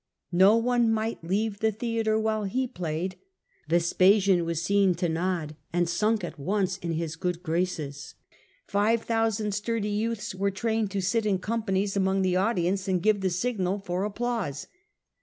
No one might leave the theatre while he played ; Vespasian J J ..• 1 .* taking to It was seen to nod, and sunk at once m his in real good graces. Five thousand sturdy youths were trained to sit in companies among the audience and give the signal for applause.